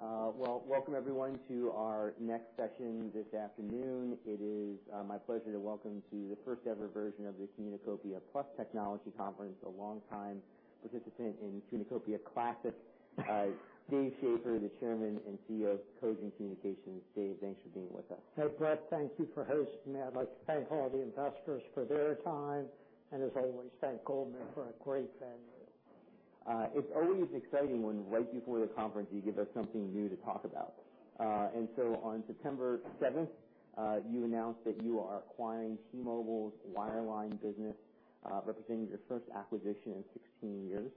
All right. Well, welcome everyone to our next session this afternoon. It is my pleasure to welcome you to the first-ever version of the Communacopia + Technology Conference, a long time participant in Communacopia Classic, Dave Schaeffer, the Chairman and CEO of Cogent Communications. Dave, thanks for being with us. Hey, Brett, thank you for hosting me. I'd like to thank all the investors for their time, and as always, thank Goldman for a great venue. It's always exciting when right before the conference, you give us something new to talk about. On September seventh, you announced that you are acquiring T-Mobile's wireline business, representing your first acquisition in 16 years.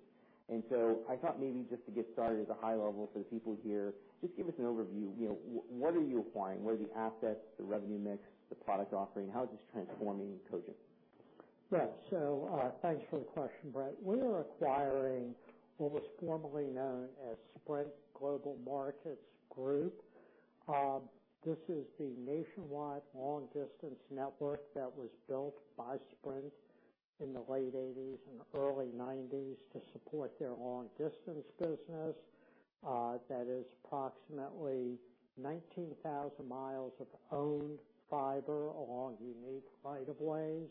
I thought maybe just to get started at a high level for the people here, just give us an overview. You know, what are you acquiring? What are the assets, the revenue mix, the product offering? How is this transforming Cogent? Yeah. Thanks for the question, Brett. We are acquiring what was formerly known as Sprint Global Markets Group. This is the nationwide long distance network that was built by Sprint in the late 1980s and early 1990s to support their long distance business. That is approximately 19,000 mi of owned fiber along unique rights of way,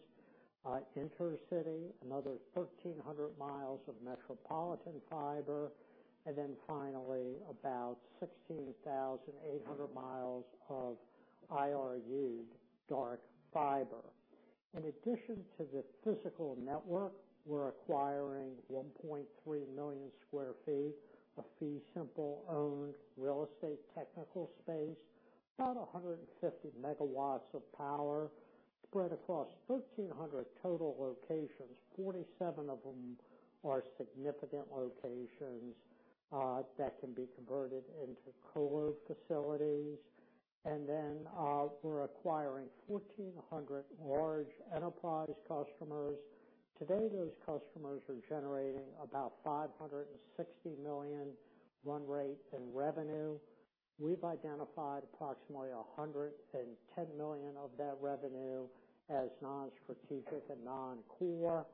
intercity, another 1,300 mi of metropolitan fiber, and then finally, about 16,800 miles of IRU dark fiber. In addition to the physical network, we're acquiring 1.3 million sq ft of fee simple owned real estate technical space, about 150 megawatts of power spread across 1,300 total locations. Forty-seven of them are significant locations that can be converted into colo facilities. We're acquiring 1,400 large enterprise customers. Today, those customers are generating about $560 million run rate in revenue. We've identified approximately $110 million of that revenue as non-strategic and non-core,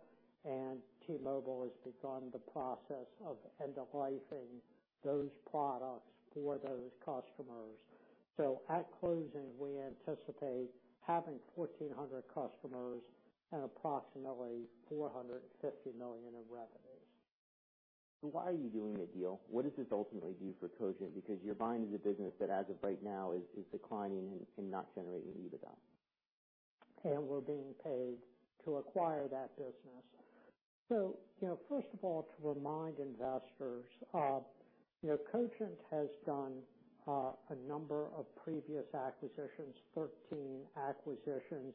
and T-Mobile has begun the process of end-of-lifing those products for those customers. At closing, we anticipate having 1,400 customers and approximately $450 million in revenues. Why are you doing the deal? What does this ultimately do for Cogent? Because you're buying into business that, as of right now, is declining and not generating EBITDA. We're being paid to acquire that business. You know, first of all, to remind investors, Cogent has done a number of previous acquisitions, 13 acquisitions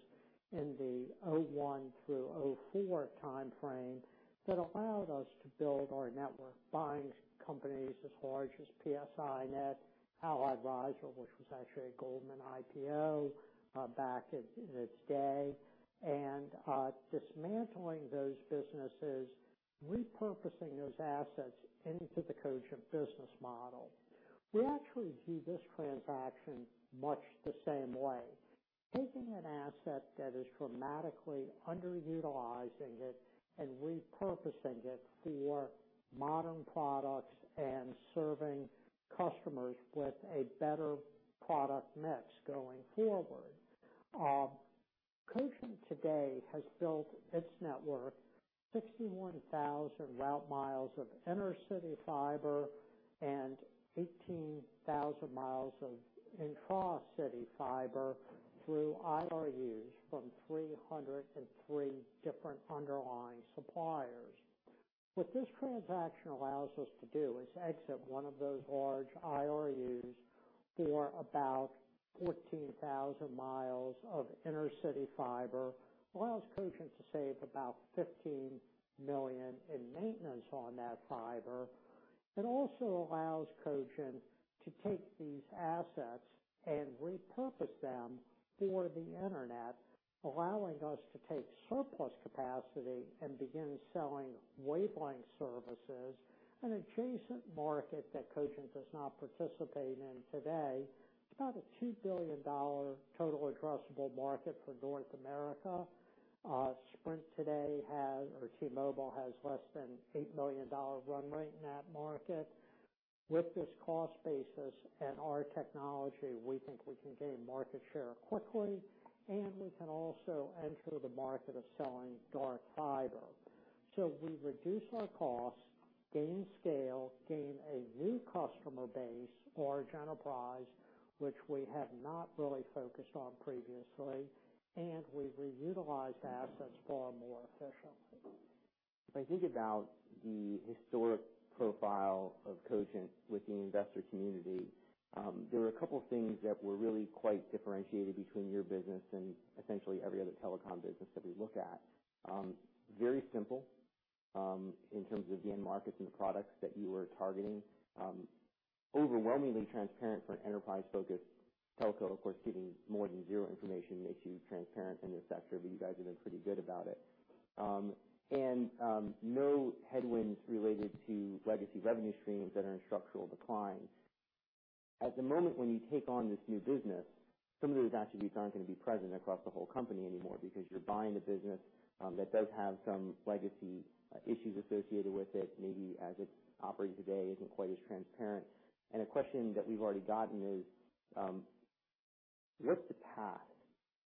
in the 2001 through 2004 timeframe that allowed us to build our network, buying companies as large as PSINet, Allied Riser, which was actually a Goldman IPO, back in its day, and dismantling those businesses, repurposing those assets into the Cogent business model. We actually view this transaction much the same way, taking an asset that is dramatically underutilized and repurposing it for modern products and serving customers with a better product mix going forward. Cogent today has built its network 61,000 route mi of inter-city fiber and 18,000 mi of intra-city fiber through IRUs from 303 different underlying suppliers. What this transaction allows us to do is exit one of those large IRUs for about 14,000 mi of intercity fiber, allows Cogent to save about $15 million in maintenance on that fiber. It also allows Cogent to take these assets and repurpose them for the internet, allowing us to take surplus capacity and begin selling wavelength services, an adjacent market that Cogent does not participate in today. It's about a $2 billion total addressable market for North America. Sprint today has, or T-Mobile has, less than $8 million run rate in that market. With this cost basis and our technology, we think we can gain market share quickly, and we can also enter the market of selling dark fiber. We reduce our costs, gain scale, gain a new customer base, large enterprise, which we have not really focused on previously, and we've reutilized assets far more efficiently. If I think about the historic profile of Cogent with the investor community, there were a couple of things that were really quite differentiated between your business and essentially every other telecom business that we look at. Very simple, in terms of the end markets and the products that you were targeting. Overwhelmingly transparent for an enterprise-focused telco. Of course, giving more than zero information makes you transparent in this sector, but you guys have been pretty good about it. No headwinds related to legacy revenue streams that are in structural decline. At the moment when you take on this new business, some of those attributes aren't gonna be present across the whole company anymore because you're buying a business that does have some legacy issues associated with it, maybe as it operates today isn't quite as transparent. A question that we've already gotten is, what's the path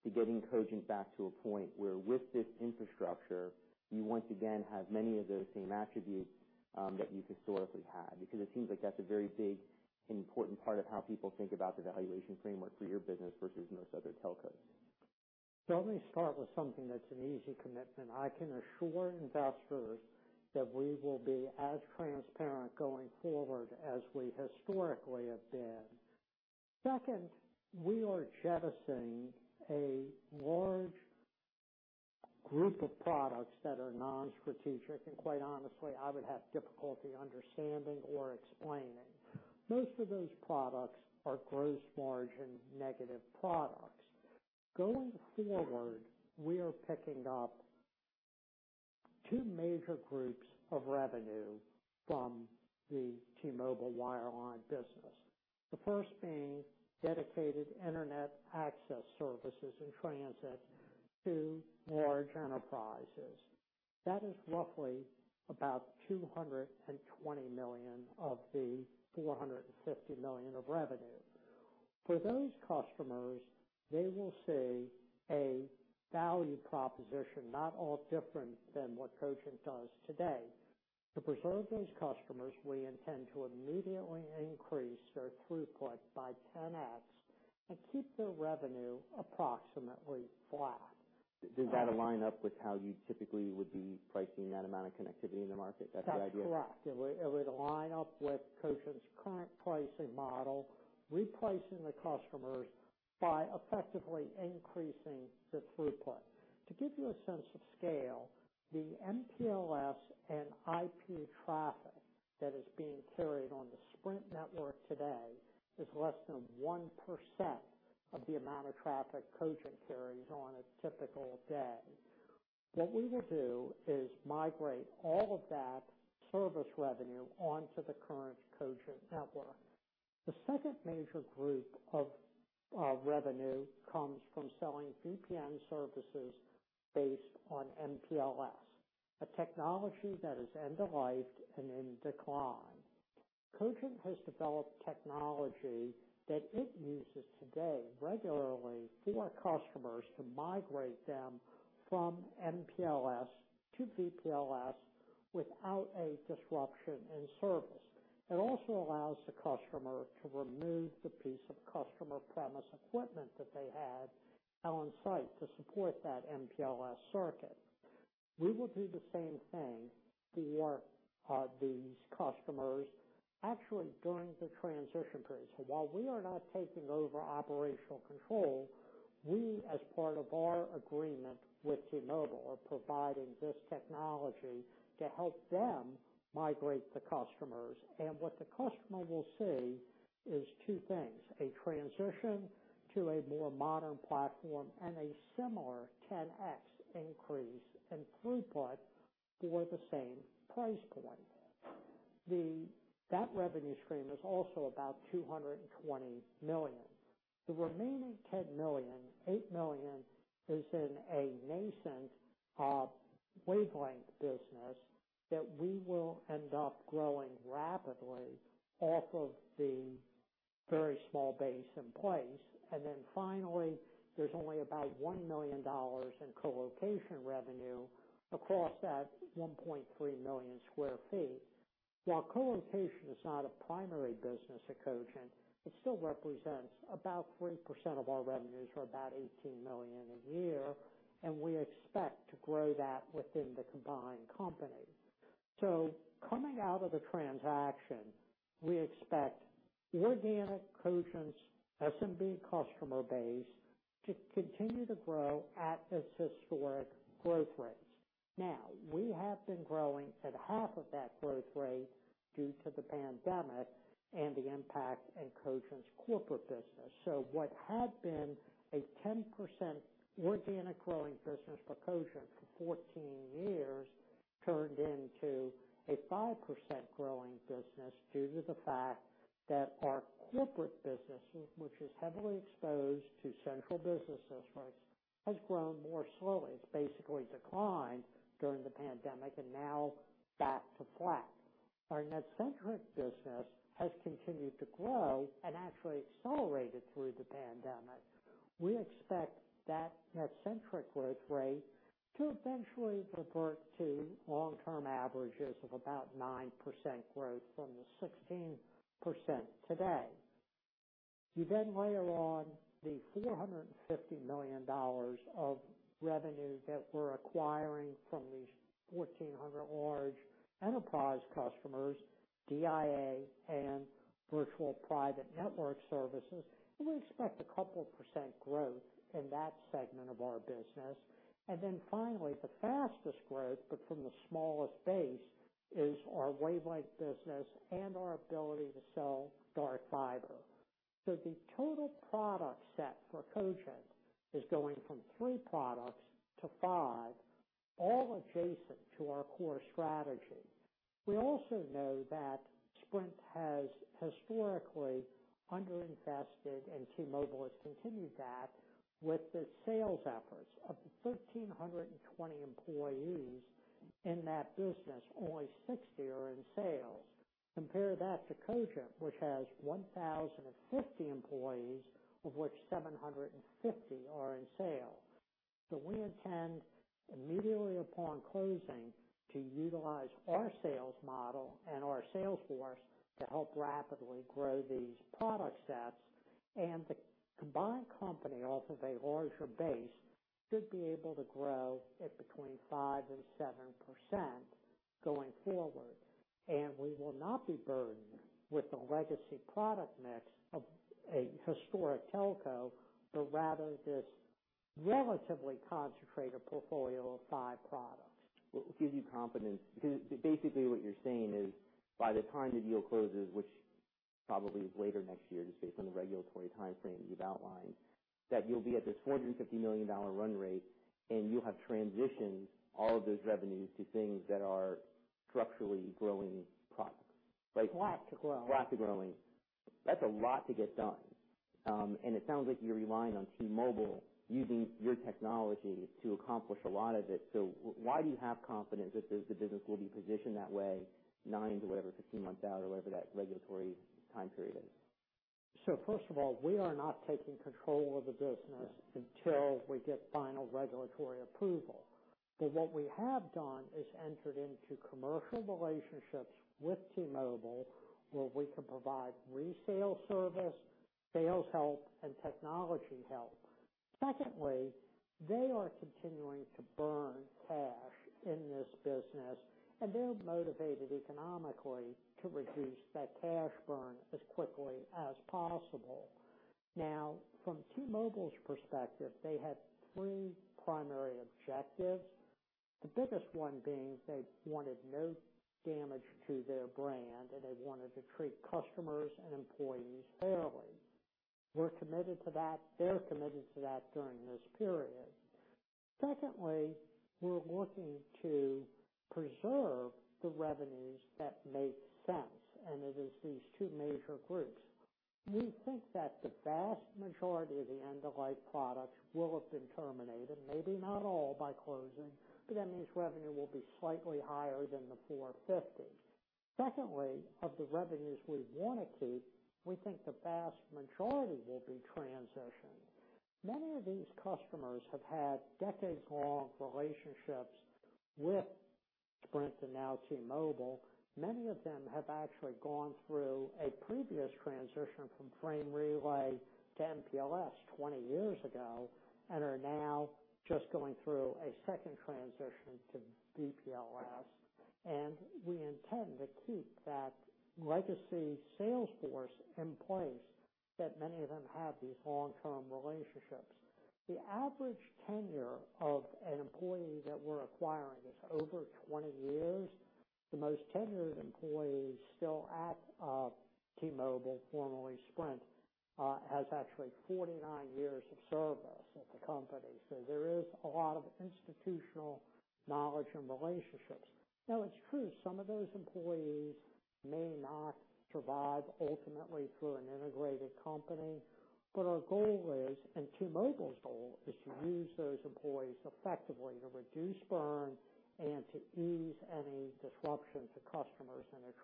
to getting Cogent back to a point where with this infrastructure, you once again have many of those same attributes, that you've historically had? Because it seems like that's a very big and important part of how people think about the valuation framework for your business versus most other telcos. Let me start with something that's an easy commitment. I can assure investors that we will be as transparent going forward as we historically have been. Second, we are jettisoning a large group of products that are non-strategic, and quite honestly, I would have difficulty understanding or explaining. Most of those products are gross margin negative products. Going forward, we are picking up two major groups of revenue from the T-Mobile wireline business. The first being dedicated internet access services and transit to large enterprises. That is roughly about $220 million of the $450 million of revenue. For those customers, they will see a value proposition, not all different than what Cogent does today. To preserve those customers, we intend to immediately increase their throughput by 10x and keep their revenue approximately flat. Does that align up with how you typically would be pricing that amount of connectivity in the market? That's the idea. That's correct. It would line up with Cogent's current pricing model, replacing the customers by effectively increasing the throughput. To give you a sense of scale, the MPLS and IP traffic that is being carried on the Sprint network today is less than 1% of the amount of traffic Cogent carries on a typical day. What we will do is migrate all of that service revenue onto the current Cogent network. The second major group of revenue comes from selling VPN services based on MPLS, a technology that is end-of-life and in decline. Cogent has developed technology that it uses today regularly for our customers to migrate them from MPLS to VPLS without a disruption in service. It also allows the customer to remove the piece of customer premises equipment that they had on site to support that MPLS circuit. We will do the same thing for these customers actually during the transition period. While we are not taking over operational control, we, as part of our agreement with T-Mobile, are providing this technology to help them migrate the customers. What the customer will see is two things, a transition to a more modern platform, and a similar 10x increase in throughput for the same price point. That revenue stream is also about $220 million. The remaining $10 million, $8 million is in a nascent wavelength business that we will end up growing rapidly off of the very small base in place. Finally, there's only about $1 million in colocation revenue across that 1.3 million sq ft. While colocation is not a primary business at Cogent, it still represents about 3% of our revenues, or about $18 million a year, and we expect to grow that within the combined company. Coming out of the transaction, we expect organic Cogent's SMB customer base to continue to grow at its historic growth rates. Now, we have been growing at half of that growth rate due to the pandemic and the impact in Cogent's corporate business. What had been a 10% organic growing business for Cogent for 14 years turned into a 5% growing business due to the fact that our corporate business, which is heavily exposed to central business districts, has grown more slowly. It's basically declined during the pandemic and now back to flat. Our net-centric business has continued to grow and actually accelerated through the pandemic. We expect that net-centric growth rate to eventually revert to long-term averages of about 9% growth from the 16% today. You then layer on the $450 million of revenue that we're acquiring from these 1,400 large enterprise customers, DIA and virtual private network services, and we expect a couple % growth in that segment of our business. Then finally, the fastest growth, but from the smallest base is our wavelength business and our ability to sell dark fiber. The total product set for Cogent is going from three products to five. All adjacent to our core strategy. We also know that Sprint has historically underinvested, and T-Mobile has continued that with the sales efforts. Of the 1,320 employees in that business, only 60 are in sales. Compare that to Cogent, which has 1,050 employees, of which 750 are in sales. We intend immediately upon closing to utilize our sales model and our sales force to help rapidly grow these product sets. The combined company off of a larger base should be able to grow at between 5% and 7% going forward. We will not be burdened with the legacy product mix of a historic telco, but rather this relatively concentrated portfolio of five products. What will give you confidence? Because basically what you're saying is, by the time the deal closes, which probably is later next year, just based on the regulatory timeframe you've outlined, that you'll be at this $450 million run rate and you'll have transitioned all of those revenues to things that are structurally growing products. Rapidly growing. Rapidly growing. That's a lot to get done. It sounds like you're relying on T-Mobile using your technology to accomplish a lot of it. Why do you have confidence that the business will be positioned that way nine to whatever, 15 months out or whatever that regulatory time period is? First of all, we are not taking control of the business- Yeah. Until we get final regulatory approval. What we have done is entered into commercial relationships with T-Mobile, where we can provide resale service, sales help, and technology help. Secondly, they are continuing to burn cash in this business, and they're motivated economically to reduce that cash burn as quickly as possible. Now, from T-Mobile's perspective, they had three primary objectives. The biggest one being they wanted no damage to their brand, and they wanted to treat customers and employees fairly. We're committed to that. They're committed to that during this period. Secondly, we're looking to preserve the revenues that make sense, and it is these two major groups. We think that the vast majority of the end-of-life products will have been terminated, maybe not all by closing, but that means revenue will be slightly higher than the $450 million. Secondly, of the revenues we wanna keep, we think the vast majority will be transitioned. Many of these customers have had decades-long relationships with Sprint and now T-Mobile. Many of them have actually gone through a previous transition from Frame Relay to MPLS 20 years ago and are now just going through a second transition to VPLS. We intend to keep that legacy sales force in place that many of them have these long-term relationships. The average tenure of an employee that we're acquiring is over 20 years. The most tenured employee still at T-Mobile, formerly Sprint, has actually 49 years of service at the company. There is a lot of institutional knowledge and relationships. Now it's true, some of those employees may not survive ultimately through an integrated company, but our goal is, and T-Mobile's goal is to use those employees effectively to reduce burn and to ease any disruption to customers in their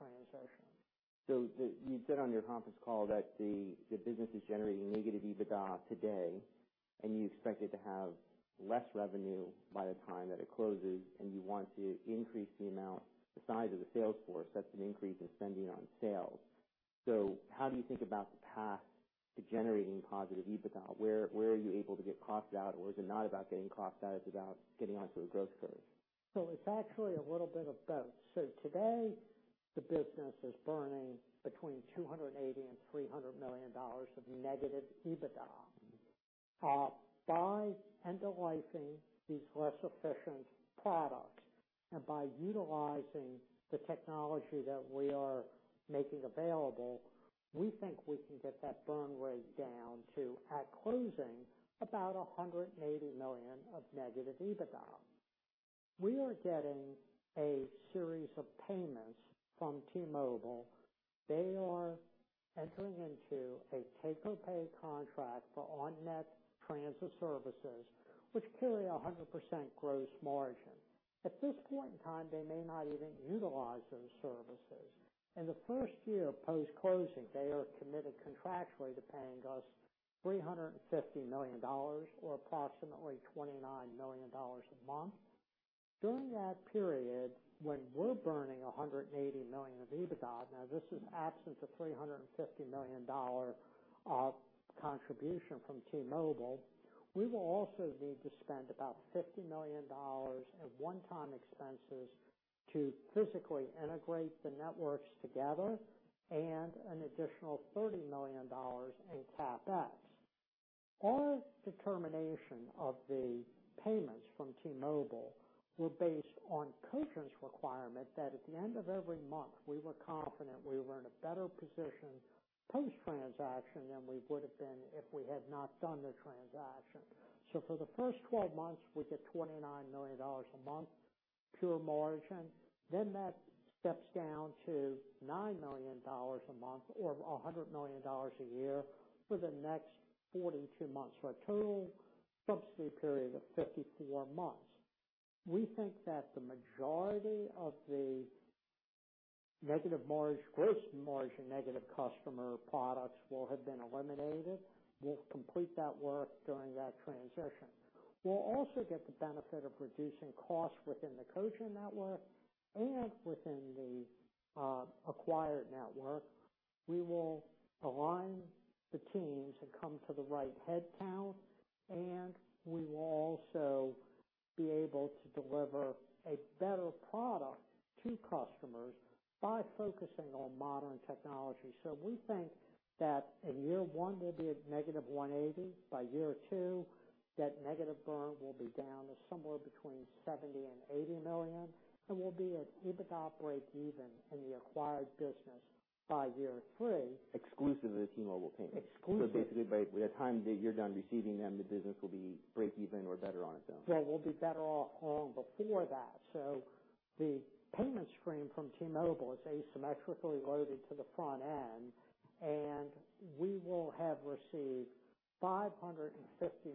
transition. You said on your conference call that the business is generating negative EBITDA today, and you expect it to have less revenue by the time that it closes, and you want to increase the amount, the size of the sales force. That's an increase in spending on sales. How do you think about the path to generating positive EBITDA? Where are you able to get costs out? Is it not about getting costs out, it's about getting onto a growth curve? It's actually a little bit of both. Today the business is burning between $280 million and $300 million of negative EBITDA. By end-of-lifing these less efficient products and by utilizing the technology that we are making available, we think we can get that burn rate down to, at closing, about $180 million of negative EBITDA. We are getting a series of payments from T-Mobile. They are entering into a take-or-pay contract for on-net transit services, which carry 100% gross margin. At this point in time, they may not even utilize those services. In the first year post-closing, they are committed contractually to paying us $350 million or approximately $29 million a month. During that period, when we're burning $180 million of EBITDA, now this is absent the $350 million-dollar contribution from T-Mobile, we will also need to spend about $50 million of one-time expenses to physically integrate the networks together and an additional $30 million in CapEx. Our determination of the payments from T-Mobile were based on Cogent's requirement that at the end of every month, we were confident we were in a better position post-transaction than we would have been if we had not done the transaction. For the first 12 months, we get $29 million a month. Pure margin. Then that steps down to $9 million a month or $100 million a year for the next 42 months, for a total subsidy period of 54 months. We think that the majority of the negative margin, gross margin, negative customer products will have been eliminated. We'll complete that work during that transition. We'll also get the benefit of reducing costs within the Cogent network and within the acquired network. We will align the teams and come to the right headcount, and we will also be able to deliver a better product to customers by focusing on modern technology. We think that in year one, we'll be at -$180 million. By year two, that negative burn will be down to somewhere between $70 million and $80 million, and we'll be at EBITDA breakeven in the acquired business by year three. Exclusive of the T-Mobile payment. Exclusive. Basically, by the time that you're done receiving them, the business will be breakeven or better on its own. Yeah, we'll be better off long before that. The payment stream from T-Mobile is asymmetrically loaded to the front end, and we will have received $550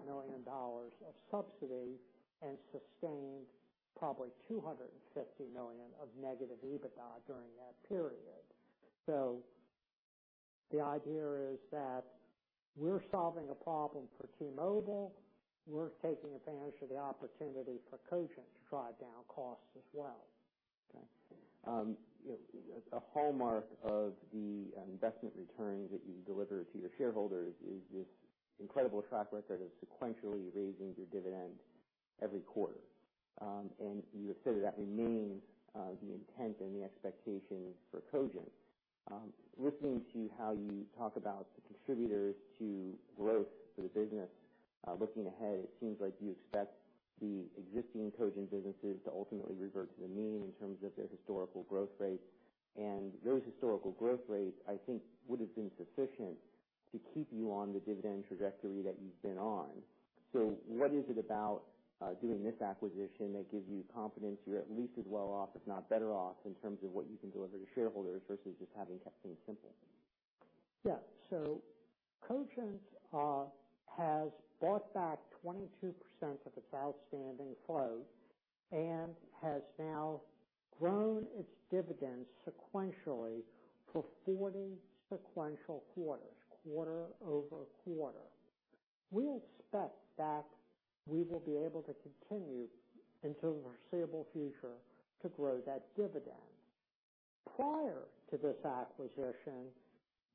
million of subsidy and sustained probably $250 million of negative EBITDA during that period. The idea is that we're solving a problem for T-Mobile. We're taking advantage of the opportunity for Cogent to drive down costs as well. Okay. A hallmark of the investment returns that you deliver to your shareholders is this incredible track record of sequentially raising your dividend every quarter. You have said that remains the intent and the expectation for Cogent. Listening to how you talk about the contributors to growth for the business, looking ahead, it seems like you expect the existing Cogent businesses to ultimately revert to the mean in terms of their historical growth rates. Those historical growth rates, I think, would have been sufficient to keep you on the dividend trajectory that you've been on. What is it about doing this acquisition that gives you confidence you're at least as well off, if not better off, in terms of what you can deliver to shareholders versus just having kept things simple? Yeah. Cogent has bought back 22% of its outstanding float and has now grown its dividend sequentially for 40 sequential quarters, quarter over quarter. We expect that we will be able to continue into the foreseeable future to grow that dividend. Prior to this acquisition,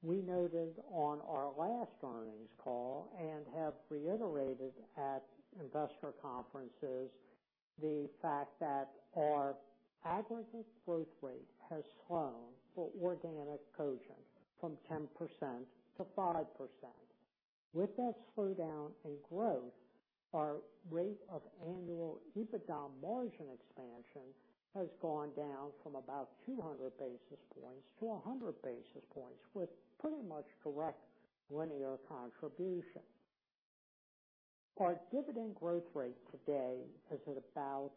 we noted on our last earnings call and have reiterated at investor conferences the fact that our aggregate growth rate has slowed for organic Cogent from 10% to 5%. With that slowdown in growth, our rate of annual EBITDA margin expansion has gone down from about 200 basis points to 100 basis points, with pretty much direct linear contribution. Our dividend growth rate today is at about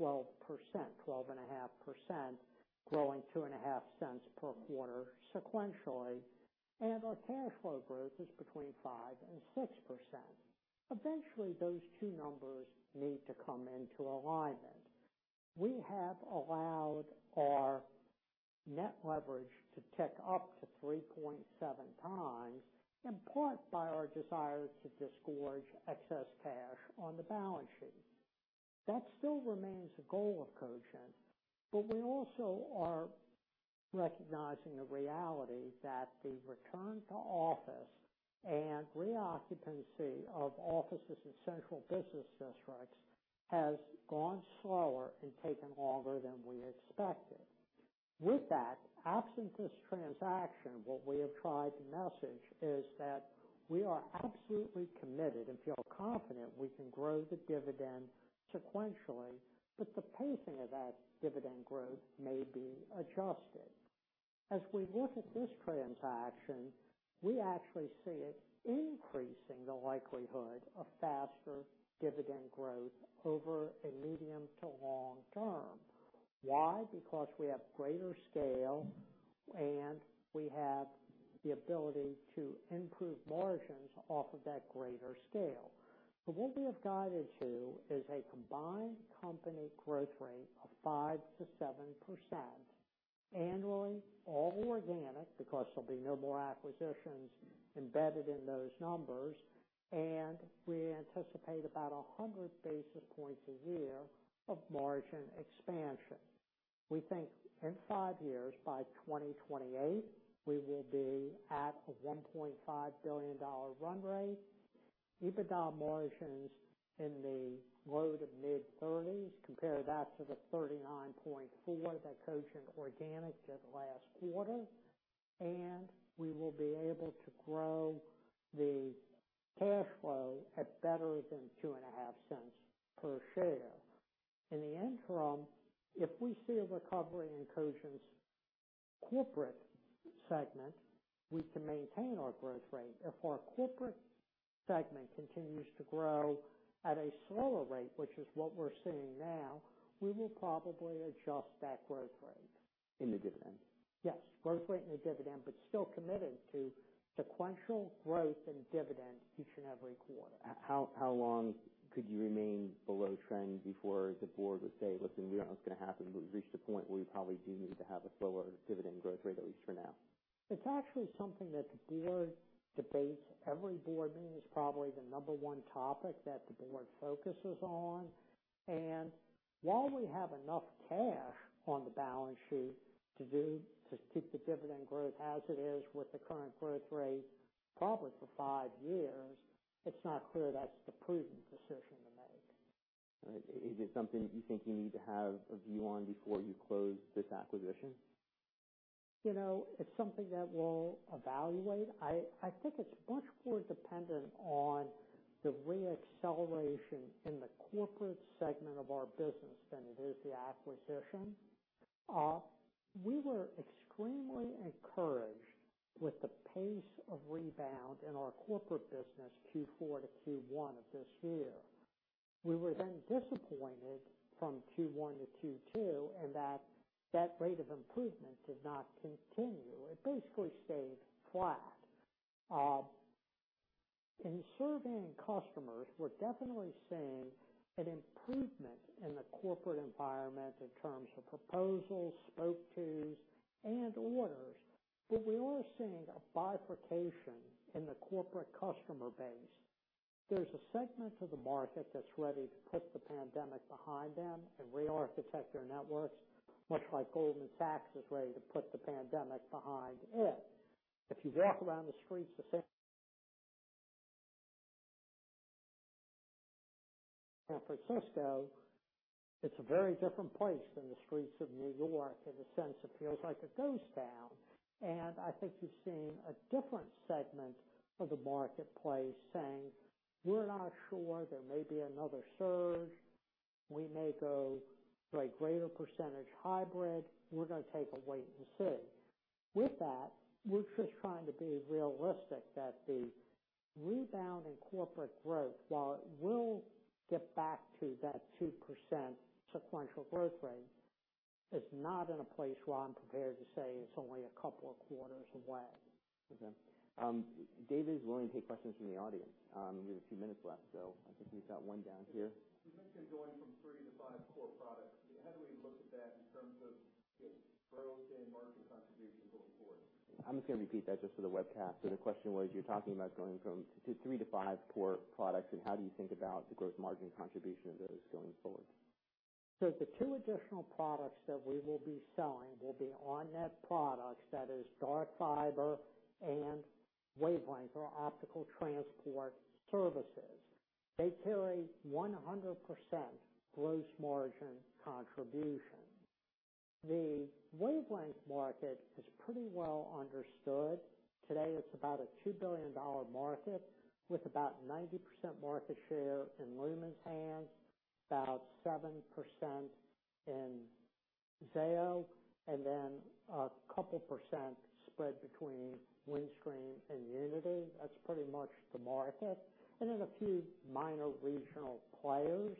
12%, 12.5%, growing $0.025 per quarter sequentially, and our cash flow growth is between 5% and 6%. Eventually, those two numbers need to come into alignment. We have allowed our net leverage to tick up to 3.7x, in part by our desire to disgorge excess cash on the balance sheet. That still remains a goal of Cogent, but we also are recognizing the reality that the return to office and reoccupancy of offices in central business districts has gone slower and taken longer than we expected. With that, absent this transaction, what we have tried to message is that we are absolutely committed and feel confident we can grow the dividend sequentially, but the pacing of that dividend growth may be adjusted. As we look at this transaction, we actually see it increasing the likelihood of faster dividend growth over a medium to long term. Why? Because we have greater scale, and we have the ability to improve margins off of that greater scale. What we have guided to is a combined company growth rate of 5%-7% annually, all organic, because there'll be no more acquisitions embedded in those numbers, and we anticipate about 100 basis points a year of margin expansion. We think in five years, by 2028, we will be at a $1.5 billion run rate, EBITDA margins in the low-to-mid 30s. Compare that to the 39.4% that Cogent organic did last quarter, and we will be able to grow the cash flow at better than $0.025 per share. In the interim, if we see a recovery in Cogent's corporate segment, we can maintain our growth rate. If our corporate segment continues to grow at a slower rate, which is what we're seeing now, we will probably adjust that growth rate. In the dividend? Yes. Growth rate in the dividend, but still committed to sequential growth in dividend each and every quarter. How long could you remain below trend before the board would say, "Listen, we don't know what's gonna happen. We've reached a point where we probably do need to have a slower dividend growth rate, at least for now."? It's actually something that the board debates. Every board meeting is probably the number one topic that the board focuses on. While we have enough cash on the balance sheet to keep the dividend growth as it is with the current growth rate, probably for five years, it's not clear that's the prudent decision to make. Is it something that you think you need to have a view on before you close this acquisition? You know, it's something that we'll evaluate. I think it's much more dependent on the re-acceleration in the corporate segment of our business than it is the acquisition. We were extremely encouraged with the pace of rebound in our corporate business, Q4 to Q1 of this year. We were then disappointed from Q1 to Q2, and that rate of improvement did not continue. It basically stayed flat. In surveying customers, we're definitely seeing an improvement in the corporate environment in terms of proposals, spoke to's, and orders, but we are seeing a bifurcation in the corporate customer base. There's a segment of the market that's ready to put the pandemic behind them and re-architect their networks, much like Goldman Sachs is ready to put the pandemic behind it. If you walk around the streets of San Francisco, it's a very different place than the streets of New York. In a sense, it feels like a ghost town. I think you're seeing a different segment of the marketplace saying, "We're not sure. There may be another surge. We may go to a greater percentage hybrid. We're gonna take a wait and see." With that, we're just trying to be realistic that the rebound in corporate growth, while it will get back to that 2% sequential growth rate, is not in a place where I'm prepared to say it's only a couple of quarters away. Okay. Dave is willing to take questions from the audience. We have a few minutes left, so I think we've got one down here. You mentioned going from three to five core products. How do we look at that in terms of growth and margin contribution going forward? I'm just gonna repeat that just for the webcast. The question was, you're talking about going from three to five core products, and how do you think about the gross margin contribution of those going forward? The two additional products that we will be selling will be on-net products, that is dark fiber and wavelength, or optical transport services. They carry 100% gross margin contribution. The wavelength market is pretty well understood. Today, it's about a $2 billion market with about 90% market share in Lumen's hands, about 7% in Zayo, and then a couple percent spread between Windstream and Uniti. That's pretty much the market, and then a few minor regional players.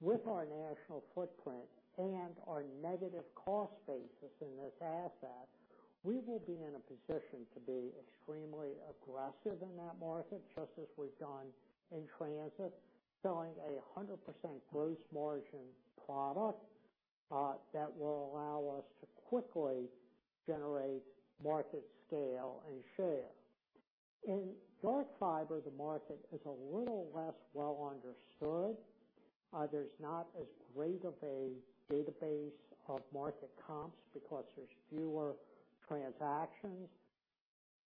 With our national footprint and our negative cost basis in this asset, we will be in a position to be extremely aggressive in that market, just as we've done in transit, selling 100% gross margin product, that will allow us to quickly generate market scale and share. In dark fiber, the market is a little less well understood. There's not as great of a database of market comps because there's fewer transactions.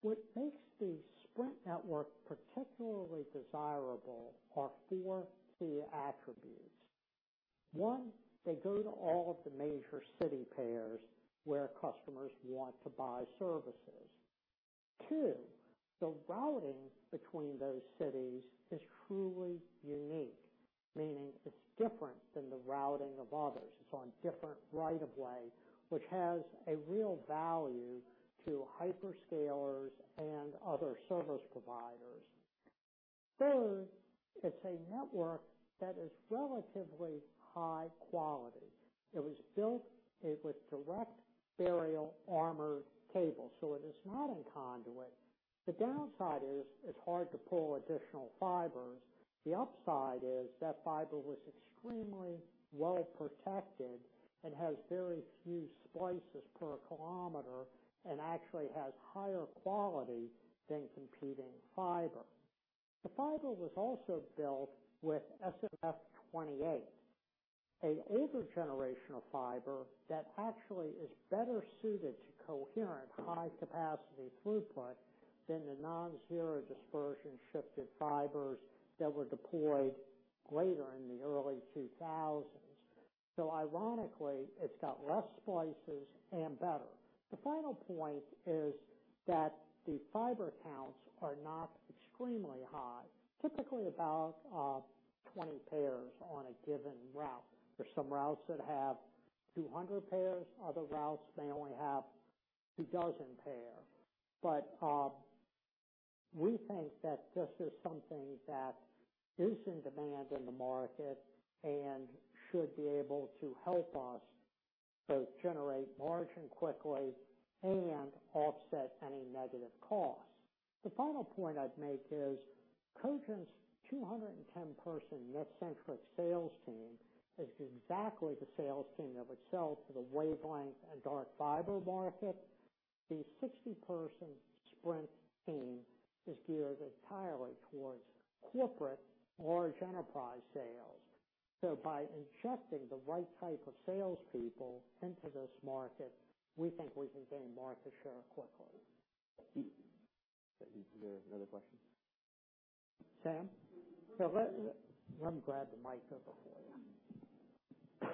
What makes the Sprint network particularly desirable are four key attributes. One, they go to all of the major city pairs where customers want to buy services. Two, the routing between those cities is truly unique, meaning it's different than the routing of others. It's on different right of way, which has a real value to hyperscalers and other service providers. Three, it's a network that is relatively high quality. It was built with direct burial armored cable, so it is not in conduit. The downside is it's hard to pull additional fibers. The upside is that fiber was extremely well protected and has very few splices per kilometer and actually has higher quality than competing fiber. The fiber was also built with SMF-28, an older generation of fiber that actually is better suited to coherent high-capacity throughput than the non-zero dispersion-shifted fibers that were deployed later in the early 2000s. Ironically, it's got less splices and better. The final point is that the fiber counts are not extremely high. Typically about 20 pairs on a given route. There are some routes that have 200 pairs. Other routes may only have 24 pairs. We think that this is something that is in demand in the market and should be able to help us both generate margin quickly and offset any negative costs. The final point I'd make is Cogent's 210-person net-centric sales team is exactly the sales team that would sell to the wavelength and dark fiber market. The 60-person Sprint team is geared entirely towards corporate large enterprise sales. By ingesting the right type of salespeople into this market, we think we can gain market share quickly. Is there another question? Sam? Let me grab the mic over for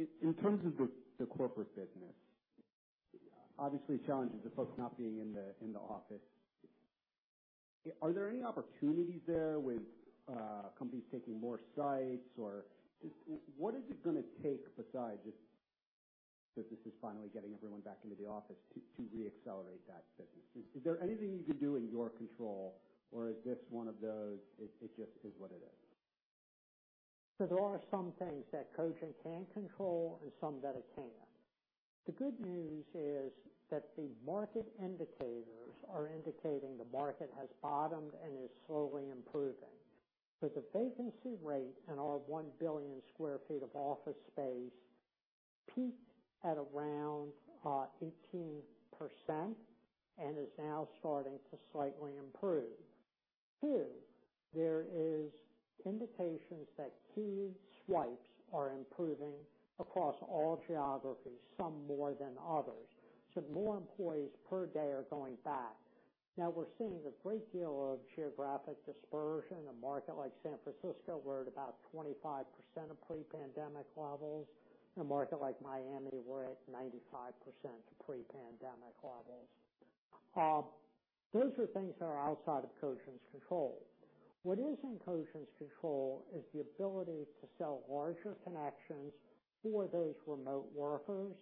you. In terms of the corporate business, obviously, challenges of folks not being in the office. Are there any opportunities there with companies taking more sites? Or what is it gonna take besides just the business finally getting everyone back into the office to re-accelerate that business? Is there anything you can do in your control or is this one of those it just is what it is? There are some things that Cogent can control and some that it can't. The good news is that the market indicators are indicating the market has bottomed and is slowly improving. The vacancy rate in our 1 billion sq ft of office space peaked at around 18% and is now starting to slightly improve. two, there is indications that key swipes are improving across all geographies, some more than others. More employees per day are going back. Now we're seeing a great deal of geographic dispersion. A market like San Francisco, we're at about 25% of pre-pandemic levels. In a market like Miami, we're at 95% to pre-pandemic levels. Those are things that are outside of Cogent's control. What is in Cogent's control is the ability to sell larger connections for those remote workers.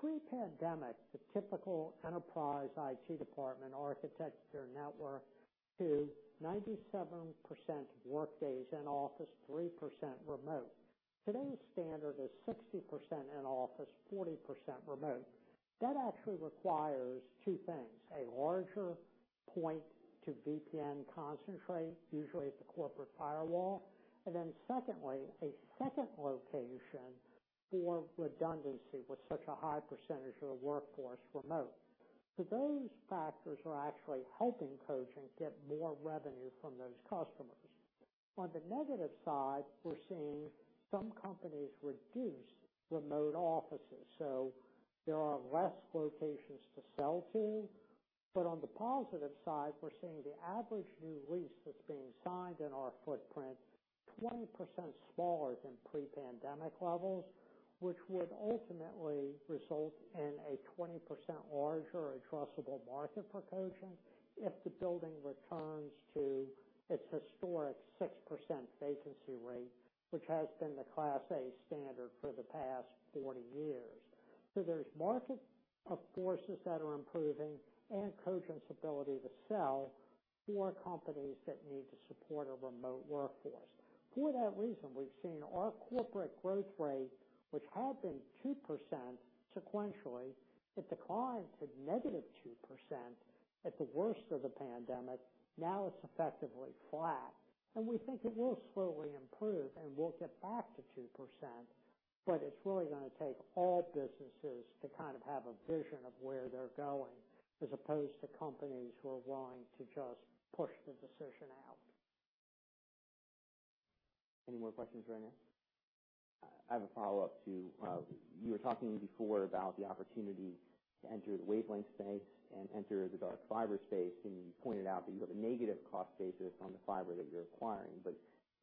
Pre-pandemic, the typical enterprise IT department architected their network to 97% work days in office, 3% remote. Today's standard is 60% in office, 40% remote. That actually requires two things. A larger point to VPN concentrator, usually at the corporate firewall, and then secondly, a second location for redundancy with such a high percentage of the workforce remote. Those factors are actually helping Cogent get more revenue from those customers. On the negative side, we're seeing some companies reduce remote offices, so there are less locations to sell to. On the positive side, we're seeing the average new lease that's being signed in our footprint, 20% smaller than pre-pandemic levels, which would ultimately result in a 20% larger addressable market for Cogent if the building returns to its historic 6% vacancy rate, which has been the class A standard for the past 40 years. there's market forces that are improving and Cogent's ability to sell for companies that need to support a remote workforce. For that reason, we've seen our corporate growth rate, which had been 2% sequentially. It declined to -2% at the worst of the pandemic. Now it's effectively flat, and we think it will slowly improve, and we'll get back to 2%. It's really gonna take all businesses to kind of have a vision of where they're going, as opposed to companies who are willing to just push the decision out. Any more questions right now? I have a follow-up to you were talking before about the opportunity to enter the wavelength space and enter the dark fiber space, and you pointed out that you have a negative cost basis on the fiber that you're acquiring.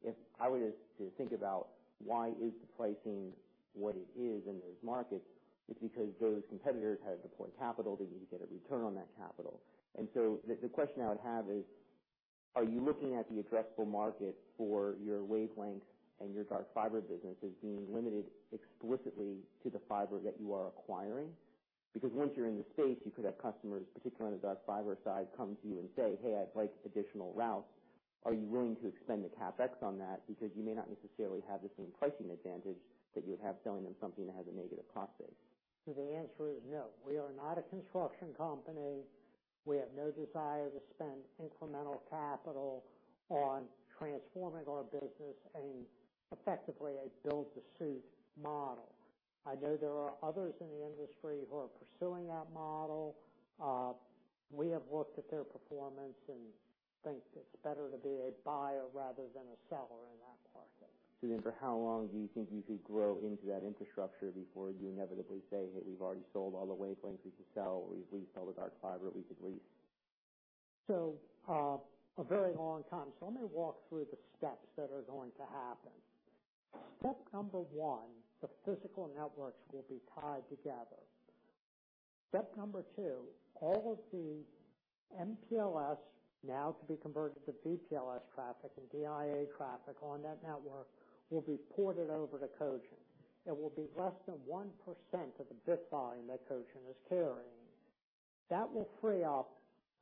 If I were to think about why is the pricing what it is in those markets, it's because those competitors had to deploy capital. They need to get a return on that capital. The question I would have is, are you looking at the addressable market for your wavelength and your dark fiber business as being limited explicitly to the fiber that you are acquiring? Because once you're in the space, you could have customers, particularly on the dark fiber side, come to you and say, "Hey, I'd like additional routes." Are you willing to expend the CapEx on that? Because you may not necessarily have the same pricing advantage that you would have selling them something that has a negative cost base. The answer is no. We are not a construction company. We have no desire to spend incremental capital on transforming our business in effectively a build-to-suit model. I know there are others in the industry who are pursuing that model. We have looked at their performance and think it's better to be a buyer rather than a seller in that market. For how long do you think you could grow into that infrastructure before you inevitably say, "Hey, we've already sold all the wavelengths we could sell," or, "We've sold as dark fiber we could lease? A very long time. Let me walk through the steps that are going to happen. Step number one, the physical networks will be tied together. Step number two, all of the MPLS, now to be converted to VPLS traffic and DIA traffic on that network will be ported over to Cogent. It will be less than 1% of the bit volume that Cogent is carrying. That will free up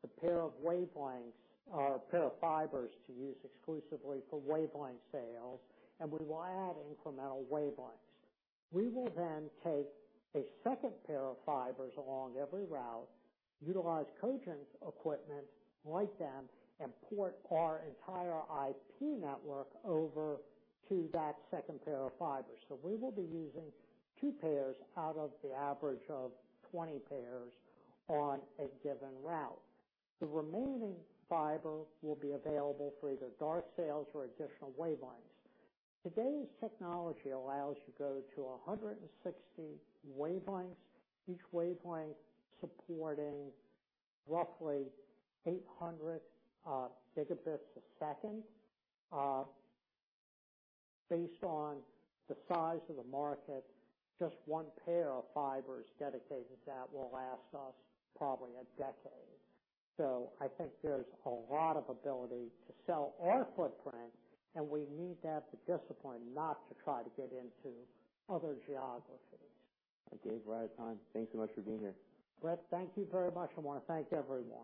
the pair of wavelengths or pair of fibers to use exclusively for wavelength sales, and we will add incremental wavelengths. We will then take a second pair of fibers along every route, utilize Cogent's equipment, light them, and port our entire IP network over to that second pair of fibers. We will be using two pairs out of the average of 20 pairs on a given route. The remaining fiber will be available for either dark sales or additional wavelengths. Today's technology allows you to go to 160 wavelengths, each wavelength supporting roughly 800 Gbps. Based on the size of the market, just one pair of fibers dedicated to that will last us probably a decade. I think there's a lot of ability to sell our footprint, and we need to have the discipline not to try to get into other geographies. We're right on time. Thank you so much for being here. Brett, thank you very much, and want to thank everyone.